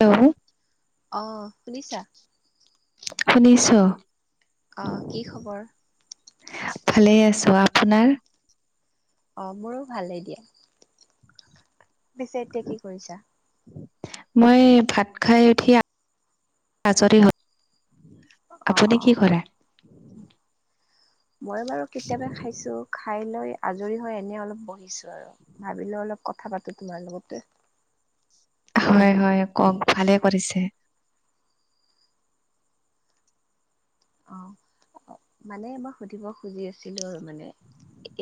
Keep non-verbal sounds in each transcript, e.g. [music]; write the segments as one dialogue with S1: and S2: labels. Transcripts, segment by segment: S1: Hello.
S2: অ শুনিছা?
S1: শুনিছো অ।
S2: অ কি খবৰ?
S1: ভালেই আছোঁ। আপোনাৰ?
S2: অ মোৰো ভালেই দিয়া। পিছে এতিয়া কি কৰিছা?
S1: মই ভাত খাই উঠি- আজৰি হ
S2: অ অ। মই বাৰু কেতিয়াবা খাইছো, খাই লৈ আজৰি হৈ এনে অলপ বহিছো আৰু ভাবিলো অলপ কথা পাতো তোমাৰ লগতে।
S1: হয় হয় কওক ভালে কৰিছে।
S2: অ। মানে মই সুধিব খুজি আছিলো আৰু মানে,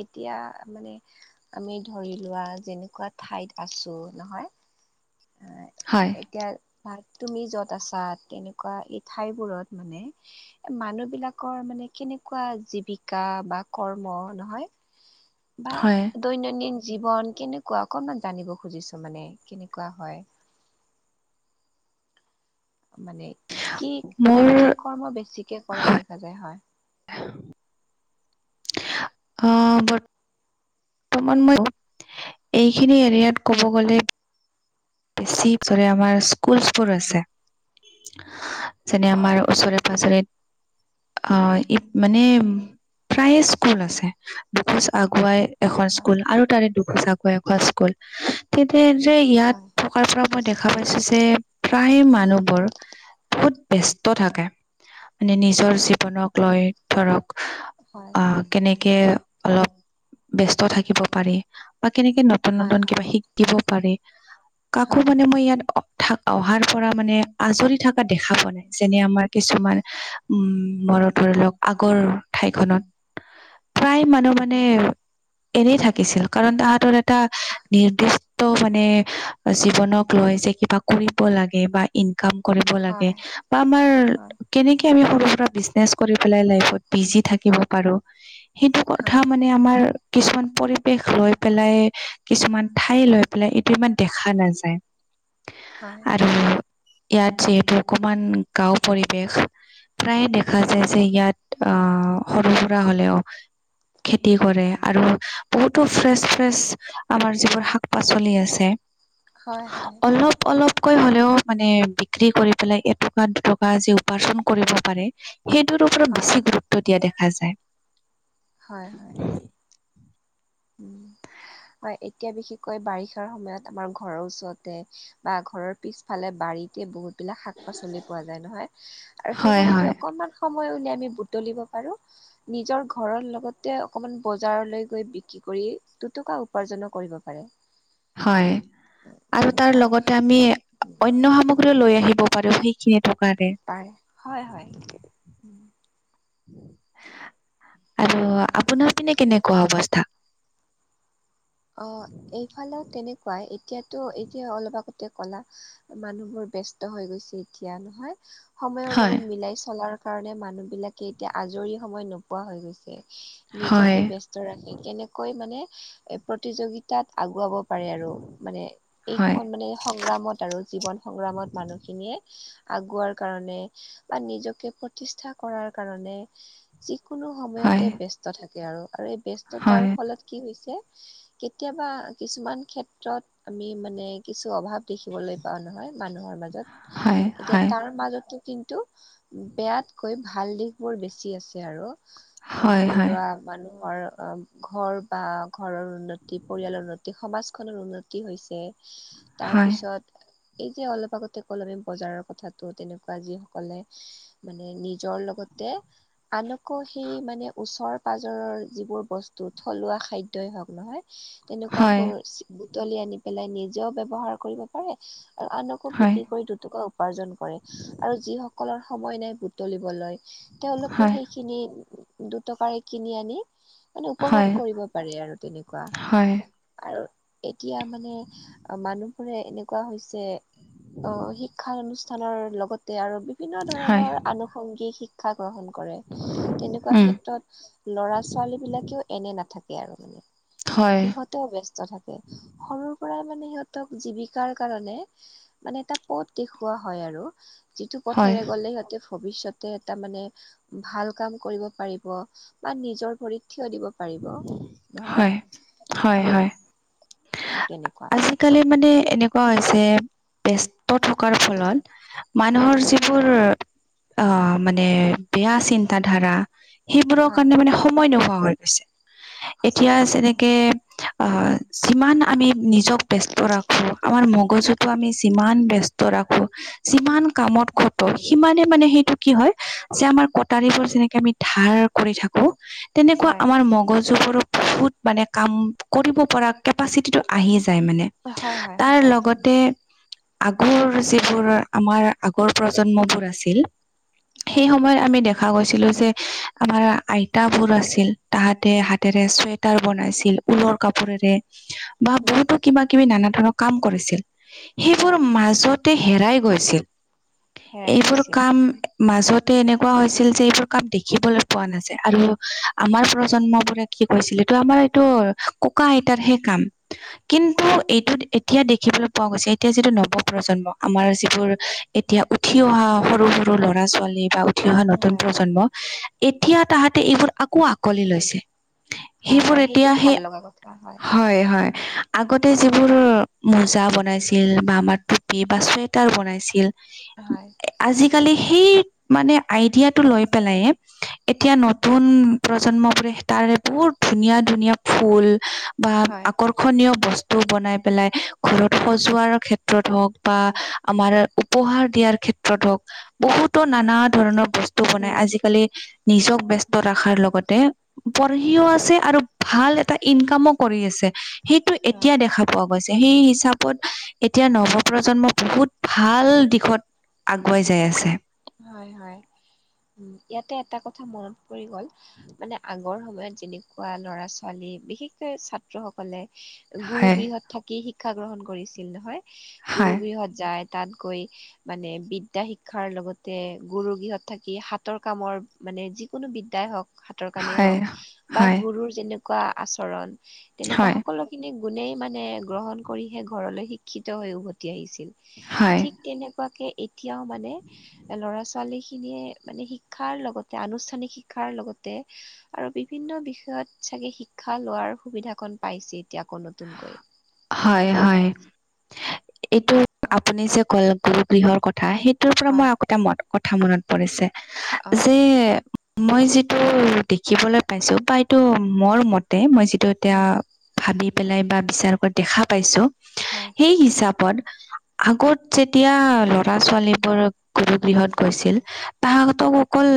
S2: এতিয়া মানে আমি ধৰি লোৱা যেনেকুৱা ঠাইত আছো নহয় আহ
S1: হয়।
S2: এতিয়া ভাত তুমি য'ত আছা তেনেকুৱা এই ঠাইবোৰত মানে মানুহ বিলাকৰ মানে কেনেকুৱা জীৱিকা বা কৰ্ম নহয় [inaudible] বা
S1: হয়
S2: দৈনন্দিন জীৱন কেনেকুৱা অকনমান জানিব খুজিছো মানে কেনেকুৱা হয়। মানে কি
S1: মোৰ
S2: কি কৰ্ম বেছিকে কৰা
S1: হয়
S2: দেখা যায়? হয়।
S1: অ ব বৰ্তমান মই এইখিনি এৰিয়াত ক'ব গ'লে [unintelligible] আমাৰ স্কুলচ বোৰ আছে যেনে
S2: হয়
S1: আমাৰ ওচৰে-পাজৰে অ ই মানে প্ৰায়ে স্কুল আছে, দুখোজ আগুৱাই এখন স্কুল আৰু তাৰে দুখোচাকৈ এখন স্কুল, তেতিয়া যে ইয়াত
S2: হয়
S1: [unintelligible] পৰা মই দেখা পাইছো যে প্ৰায় মানুহবোৰ বহুত ব্যস্ত থাকে মানে নিজৰ জ জীৱনক লৈ ধৰক
S2: হয়
S1: আহ কেনেকে অলপ ব্যস্ত থাকিব পাৰে বা কেনেকে নতুন
S2: হয় হয়
S1: নতুন কিবা
S2: হয়
S1: শিকিব পাৰি কাকো
S2: হয়
S1: মানে মই ইয়াত অহাৰ পৰা মানে আজৰি থকা দেখা পোৱা নাই। যেনে আমাৰ কিছুমান উম মোৰো ধৰি লওক আগৰ ঠাইখনত
S2: [inaudible]
S1: প্ৰায়, মানুহ মানে,
S2: উম
S1: এনেই থাকিছিল। কাৰণ, তাহাঁতৰ এটা, নিৰ্দিষ্ট নিৰ্দিষ্ট মানে, জীৱনক লৈ যে কিবা, কৰিব লাগে বা ইনকাম কৰিব লাগে
S2: হয়
S1: বা আমাৰ
S2: হয়
S1: কেনেকে আমি, সৰু-সুৰা বিজনেছ কৰি পেলাই, লাইফত বিজি থাকিব পাৰোঁ। সেইটো কথা
S2: হয়
S1: মানে, আমাৰ কিছুমান পৰিৱেশ লৈ পেলাই, কিছুমান ঠাই লৈ পেলাই, এইটো ইমান দেখা নাযায়।
S2: হয়
S1: আৰু ইয়াত যিহেতু, অকমান গাঁও পৰিৱেশ প্ৰায়ে, দেখা যায় যে ইয়াত, আঁ সৰু-সুৰা হ'লেও খেতি কৰে। আৰু বহুতো, ফ্ৰেছ-ফ্ৰেছ আমাৰ যিবোৰ, শাক-পাচলি আছে।
S2: হয় হয়
S1: অলপ-অলপ কৈ হ'লেও মানে, বিক্ৰী কৰি পেলাই, এটকা-দুটকা যি উপাৰ্জন কৰিব পাৰে। সেইটোৰ ওপৰত
S2: হয়
S1: বেছি গুৰুত্ব দিয়া, দেখা যায়।
S2: হয়, হয়। উম! [inaudible] হয়, এতিয়া বিশেষকৈ, বাৰিষাৰ সময়ত, আমাৰ ঘৰৰ ওচৰতে বা ঘৰৰ পিছফালে, বাৰীতে বহুতবিলাক শাক-পাচলি পোৱা যায়, নহয় আৰু
S1: হয়
S2: সেইবোৰ যদি,
S1: হয়
S2: অকণমান সময় উলিয়াই আমি, বুটলিব পাৰোঁ। নিজৰ ঘৰৰ লগতে, অকমান বজাৰলৈ গৈ বিক্ৰী কৰি, দুটকা উপাৰ্জনো কৰিব পাৰে।
S1: হয়! আৰু তাৰ
S2: তেনেকুৱা
S1: লগতে আমি, অন্য সামগ্ৰী লৈ আহিব পাৰোঁ, সেইখিনি টকাৰে।
S2: পাৰে। হয়, হয়।
S1: আৰু আপোনাৰ পিনে, কেনেকুৱা অৱস্থা?
S2: অ'! এইফালেও তেনেকুৱাই! এতিয়াতো, এতিয়া অলপ আগতে আগতে ক'লা! মানুহবোৰ ব্যস্ত হৈ গৈছে, এতিয়া নহয়। সময়ৰ
S1: হয়
S2: লগত মিলাই চলাৰ কাৰণে, মানুহ বিলাকে এতিয়া, আজৰি সময় নোপোৱা হৈ গৈছে।
S1: হয়
S2: নিজকে ব্যস্ত ৰাখে। কেনেকৈ মানে প্ৰতিযোগিতাত আগুৱাব পাৰে আৰু। মানে,
S1: হয়
S2: এইখন মানে, সংগ্ৰামত আৰু জীৱন সংগ্ৰামত মানুহখিনিয়ে, আগুৱাৰ কাৰণে বা নিজকে প্ৰতিষ্ঠা কৰাৰ কাৰণে, যিকোনো
S1: হয়
S2: সময়তে ব্যস্ত থাকে আৰু। আৰু এই,
S1: হয়
S2: ব্যস্ততাৰ ফলত, কি হৈছে! কেতিয়াবা, কিছুমান ক্ষেত্ৰত আমি মানে, কিছু অভাৱ দেখিবলৈ পাওঁ নহয়, মানুহৰ মাজত।
S1: হয়
S2: এতিয়া,
S1: হয়
S2: তাৰ মাজতো কিন্তু, বেয়াতকৈ, ভাল দিশ বোৰ বেছি আছে আৰু
S1: হয়
S2: ধৰি
S1: হয়
S2: লোৱা মানুহৰ ঘৰ বা ঘৰৰ উন্নতি, পৰিয়ালৰ উন্নতি, সমাজখনৰ উন্নতি হৈছে।
S1: হয়
S2: তাৰপিছত, এই যে, অলপ আগতে ক'লো! আমি বজাৰৰ কথাটো, তেনেকুৱা যিসকলে মানে, নিজৰ লগতে আনকো, সেই মানে, ওচৰ-পাজৰৰ যিবোৰ বস্তু, থলুৱা খাদ্য খাদ্যই হওঁক নহয়,
S1: হয়
S2: তেনেকুৱাবোৰ বুতলি আনি পেলাই, নিজে ব্যৱহাৰ কৰিব, কৰে। আৰু আনকো
S1: হয়
S2: বিক্ৰী কৰি, দুটকা উপাৰ্জন কৰে। আৰু যিসকলৰ সময় নাই বুটলিবলৈ, তেওঁলোকেও
S1: হয়
S2: সেই খিনি, দুটকাৰ কিনি আনি, মানে উপভোগ
S1: হয়
S2: কৰিব পাৰে আৰু তেনেকুৱা।
S1: হয়,
S2: আৰু এতিয়া মানে, মানুহবোৰে এনেকুৱা হৈছে অ'! শিক্ষা অনুষ্ঠানৰ লগতে আৰু বিভিন্ন
S1: হয়,
S2: ধৰণৰ আনুসংগিক শি শিক্ষা গ্ৰহণ কৰে। তেনেকুৱা
S1: উম,
S2: ক্ষেত্ৰত, ল'ৰা- ছোৱালী বিলাকেও এনে নাথাকে আৰু মানে।
S1: হয়,
S2: সিহঁত ব্যস্ত থাকে। সৰুৰ পৰাই মানে সিহঁতক জীৱিকাৰ কাৰণে মানে এটা পথ দেখুওৱা হয় আৰু যিটো
S1: হয়,
S2: পথেৰে গ'লে সিহঁতে ভৱিষ্যতে এটা মানে ভাল কাম কৰিব পাৰিব বা নিজৰ ভৰিত থিয় দিব পাৰিব। নহয়
S1: হয়। হয়, হয়।
S2: অ তেনেকুৱা।
S1: আজিকালি মানে এনেকুৱা হৈছে বে ত থকাৰ ফলত মানুহৰ
S2: হয়
S1: যিবোৰ অ' মানে বেয়া চিন্তা ধাৰা সেইবোৰৰ
S2: হয়
S1: কাৰণে মানে সময় নোহোৱা হৈ গৈছে।
S2: সঁচা
S1: এতিয়া
S2: কথা
S1: যেনেকে অ যিমান আমি নিজক ব্যস্ত ৰাখোঁ, আমাৰ মগজুটো আমি যিমান ব্যস্ত ৰাখোঁ যিমান কামত খটাও, সিমানেই, মানে, সেইটো কি হয় যে, আমাৰ কটাৰীবোৰ যেনেকে আমি ধাৰ কৰি থাকোঁ, তেনেকুৱা
S2: হয়
S1: আমাৰ মগজুবোৰো বহুত, মানে, কাম কৰিব পৰা কেপাচিটিটো আহি যায় মানে
S2: হয় হয় হয়
S1: তাৰ
S2: সঁচা কথা
S1: লগতে আগৰ যিবোৰ আমাৰ আগৰ প্ৰজন্মবোৰ আছিল,
S2: হয়
S1: সেই সময়ত আমি দেখা গৈছিলোঁ যে, আমাৰ আইতাবোৰ আছিল, তাহাঁতে হাতেৰে চুৱেটাৰ বনাইছিল। ওলৰ কাপোৰেৰে। বা
S2: উম,
S1: বহুতো কিবা কিবি নানা ধৰণৰ কাম কৰিছিল। সেইবোৰ
S2: হয়
S1: মাজত হেৰাই গৈছিল
S2: হেৰাই
S1: এইবোৰ
S2: গৈছিল।
S1: কাম মাজতে এনেকুৱা হৈছিল যে, এইবোৰ কাম দেখিবলৈ পোৱা নাযায় আৰু আমাৰ প্ৰজন্ম বোৰে কি কৈছিলে, এইটো আমাৰ এইটো ককা আইতাৰহে কাম। কিন্তু এইটোত এতিয়া দেখিবলৈ পোৱা গৈছে। এতিয়া যিটো নৱ প্ৰজন্ম, আমাৰ যিবোৰ এতিয়া উঠি অহা সৰু সৰু সৰু ল'ৰা ছোৱালী বা উঠি অহা নতুন
S2: হয়,
S1: প্ৰজন্ম, এতিয়া তাহাঁতে এইবোৰ আকৌ আকোৱালি লৈছে।
S2: হয়
S1: সেইবোৰ
S2: হয়। সেইটো
S1: এতিয়া সেই
S2: ভাল লগা কথা হয়।
S1: হয় হয়। আগতে যিবোৰ মোজা বনাইছিল বা আমাৰ কিবা চুৱেটাৰ বনাইছিল।
S2: হয়।
S1: আজিকালি সেই মানে, আইডিয়াটো লৈ পেলাই এতিয়া নতুন প্ৰজন্মবোৰে তাৰে বহুত ধুনীয়া ধুনীয়া ফুল বা
S2: হয়,
S1: আকৌ লক্ষণীয় বস্তু বনাই পেলাই, ঘৰত সজোৱাৰ ক্ষেত্ৰত হওঁক বা‌ আমাৰ উপহাৰ দিয়াৰ ক্ষেত্ৰত হওক, বহুতো নানা ধৰণৰ বস্তু তো মানে
S2: উম,
S1: আজিকালি নিজক ব্যস্ত ৰখাৰ লগতে পঢ়িও আছে, আৰু ভাল এটা ইনকামো কৰি আছে। সেইটো
S2: হয়,
S1: এতিয়া দেখা পোৱা গৈছে। সেই হিচাপত এতিয়া নৱপ্ৰজন্ম বহুত ভাল দিশত আগুৱাই যায় আছে।
S2: হয়, হয়। উ, ইয়াতে এটা কথা মনত পৰি গ'ল, মানে আ আগৰ সময়ত যেনেকুৱা ল'ৰা ছোৱালী, বিশেষকৈ ছাত্ৰসকলে গুৰু
S1: হয়
S2: গৃহত থাকি শিক্ষা গ্ৰহণ কৰিছিল নহয়, গুৰু
S1: হয়
S2: গৃহত যায়। তাত গৈ, মানে বিদ্যা শিক্ষাৰ লগত গুৰু গৃহত থাকি, হাতৰ কামৰ মানে যিকোনো বিদ্যাই হওক হাতৰ কামেই
S1: হয়,
S2: হওক, বা
S1: হয়,
S2: গুৰুৰ যেনেকুৱা আচৰণ তেনেকুৱা
S1: হয়,
S2: সকলো হেখিনি গুণেই মানে গ্ৰহণ কৰিহে, ঘৰলৈ শিক্ষিত হৈ উভতি আহিছিল।
S1: হয়,
S2: ঠিক তেনেকুৱাকে এতিয়াও মানে ল'ৰা ছোৱালীখিনিয়ে মানে শিক্ষাৰ লগতে আনুষ্ঠানিক শিক্ষাৰ লগতে আৰু বিভিন্ন বিষয়ত চাগে শিক্ষা লোৱাৰ সুবিধাকণ পাইছে। এতিয়া আকৌ নতুনকৈ
S1: হয়, হয়। এটিয়া আপুনি যে কলে, গুৰু গৃহৰ কথা সেই তোৰ পৰা মই
S2: হয়
S1: আকৌ এটা কথা মনত পৰিছে,
S2: অ
S1: যে মই যিটো দেখিবলৈ পাইছোঁ, বা এইটো মোৰ মতে মই যিটো
S2: অ
S1: এতিয়া ভাবি পেলাই বা বিচাৰকৈ দেখা পাইছোঁ।
S2: হয়
S1: সেই হিচাপত আগত যেতিয়া লৰা ছোৱালীবোৰ গুৰু গৃহত গৈছিল? তাঁহাকতক অকল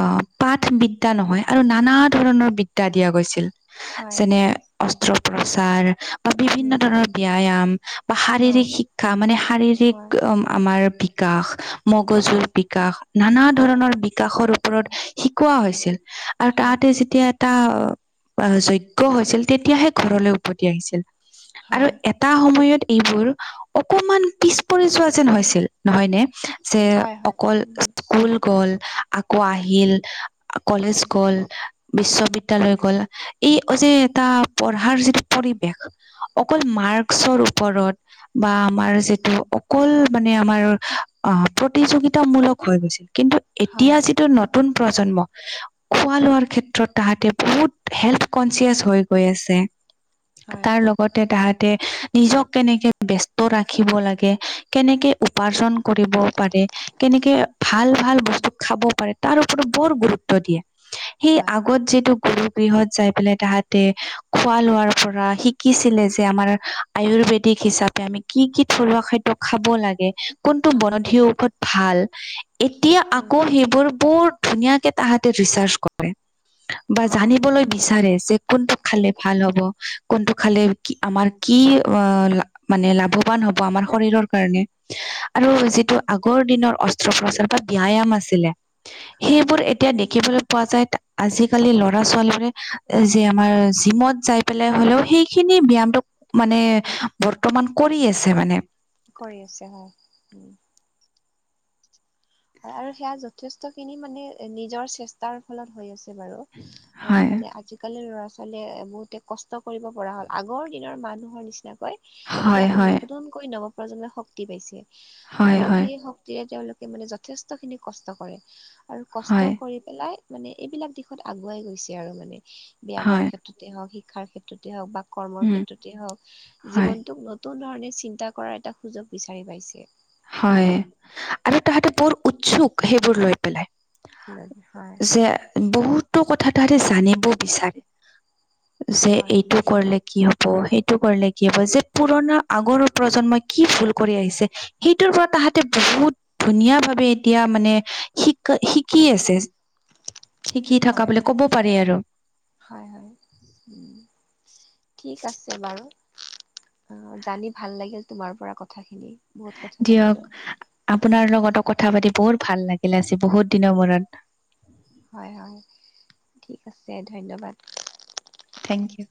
S1: অ' পাঠ বিদ্যা নহয় আৰু নানা ধৰণৰ বিদ্যা দিয়া গৈছিল।
S2: হয়
S1: যেনে অস্ত্ৰোপচাৰ, বা বিভিন্ন
S2: উম
S1: ধৰণৰ ব্যায়াম বা
S2: অ
S1: শাৰীৰিক শিক্ষা মানে
S2: হয়
S1: শাৰীৰিক অ' আমাৰ বি কাশ,
S2: হয়
S1: মগজুৰ বিকাশ নানা
S2: হয়
S1: ধৰণৰ বি কাশৰ, ওপৰত শিকোৱা হৈছিল আৰু
S2: হয়
S1: তাহাঁতে যেতিয়া এটা যজ্ঞ হৈছিল। তেতিয়াহে ঘৰলৈ উভতি আহিছিল, আৰু
S2: হয়
S1: এট এতা সময়ত এইবোৰ অকমান পিছ পৰি যোৱা যেন হৈছিল। নহয়নে? যে
S2: হয় হয়
S1: অকল
S2: উম
S1: স্কুল গ'ল, আকৌ আহিল, আ কলেজ গ'ল, বিশ্ববিদ্যালয় গ'ল। এই যে এটা পঢ়াৰ যিটো পৰিৱেশ অকল মাৰ্কছৰ ওপৰত বা আমাৰ যিটো অকল মানে আমাৰ অ', প্ৰতিযোগিতামূলক হৈ গৈছিল। কিন্তু এতিয়া
S2: হয়
S1: যিটো নত তুন, প্ৰজন্ম খোৱা লোৱাৰ ক্ষেত্ৰত তাহাঁতে বহুত হেল্থ কনচিয়াচ হৈ গৈ আছে। তে
S2: হয়
S1: তাৰ লগ লগতে তাহাঁতে নিজক কেনেকে ব্যস্ত ৰাখিব লাগে, কেনেকে উপাৰ্জন কৰিব? পাৰে। কেনেকে ভাল-ভাল বস্তু খাব পাৰে, তাৰ ওপৰত বৰ গুৰুত্ব দিয়ে। সেই
S2: হয়
S1: আগত যিটো গুৰু গৃহত যাই পেলাই তাহাঁতে খোৱা লোৱাৰ পৰা শিকিছিলে যে আমাৰ আয়ুৰ্বেদিক হিচাপে আমি কি-কি থলুৱা খাদ্য, খাব লাগে। কোনটো
S2: হয়
S1: বনধি ঔষধ ভাল। এতিয়া
S2: উম
S1: আকৌ সেইবোৰ বৰ ধুনীয়াকে তাহাতে ৰিচাৰ্চ কৰে বা
S2: অ
S1: জানিবলে বিচাৰে যে কোনটো খালে ভাল হ'ব। কোনটো খালে কি আমাৰ কি অ' লা মানে লাভৱান হব, আমাৰ শৰীৰৰ কাৰণে। আৰু যিটো আগৰ দিনৰ অস্ত্ৰোপচাৰ বা ব্যায়াম আছিলে
S2: হয়
S1: সেইবোৰ এ তিয়া, দেখিবলৈ পোৱা যায়। আজিকালি ল'ৰা-ছোৱালী বোৰে যি আমাৰ জিমত যাই পেলাই হ'লেও সেইখিনি ব্যায়ামটো মানে বৰ্তমান কৰি আছে মানে।
S2: কৰি আছে। হয়, উম হয় আৰু সেয়া যথেষ্ট খিনি মানে নিজৰ চেষ্টাৰ ফলত হৈ আছে। হৈ আছে বাৰু
S1: হয়
S2: আজিকালি কালি ল'ৰা ছোৱালীয়ে এ বহুতে কষ্ট কৰিব পৰা হ'ল, আগৰ দিনৰ মানুহৰ নিচিনাকৈ। এতিয়া
S1: হয়
S2: আকৌ
S1: হয়
S2: নতুনকৈ নৱপ্ৰজন্মই শক্তি পাইছে
S1: হয়
S2: আৰু
S1: হয়
S2: সেই শক্ত ক্তি তেওঁলোকে মানে যথেষ্টখিনি কষ্ট কৰে, আৰু কষ্ট
S1: হয়
S2: কৰি পেলাই মানে এইবিলাক দিশত আগুৱাই গৈছে আৰু মানে। ব্যায়ামৰ
S1: হয়
S2: ক্ষেত ক্ষেত্ৰতে হওঁক, শিক্ষাৰ ক্ষেত্ৰতে হওঁক বা কৰ্মৰ
S1: উম
S2: ক্ষেত্ৰতে হওঁক
S1: হয়
S2: জীৱনটোক নতু নতুন ধৰণে চিন্তা কৰাৰ এটা সুযোগ বিচাৰি পাইছে।
S1: হয় আৰু তাহাঁতে বৰ উৎসুক সেইবোৰ লৈ পেলাই।
S2: হয়
S1: যে বহুতো কথা তাৰে জানিব বিচাৰে। যে
S2: হয় হয়
S1: এইটো কৰিলে কি হব? সেইটো কৰিলে কি হব? যে পুৰণা আগৰ প্ৰজন্মই কি ভুল কৰি আহিছে? সেইটোৰ পৰা তাহাঁতে বহুত ধুনীয়া ভাৱে এতিয়া মানে শিক শিকি আছে। শিকি থাকা বোলে ক'ব পাৰি আৰু।
S2: হয়-হয়, উম। ঠিক আছে বাৰু। অ জানি ভাল লাগিল তোমাৰ পৰা কথাখিনি। বহুত কথা
S1: দিয়ক
S2: জানিলো অ
S1: আপোনাৰ লগতো কথা পাতি বহুত ভাল লাগিল আজি বহুত দিনৰ মূৰত।
S2: হয়-হয়, ঠিক আছে ধন্যবাদ।
S1: Thank U.